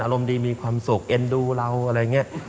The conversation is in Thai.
อารมณ์ดีมีความสุขเอ็นดูเราอะไรอย่างนี้